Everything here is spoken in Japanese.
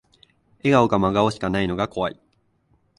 笑顔か真顔しかないのが怖い